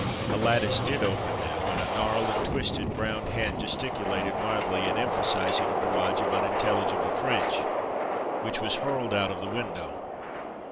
A lattice did open now, and a gnarled and twisted brown hand gesticulated wildly in emphasizing a barrage of unintelligible French, which was hurled out of the window.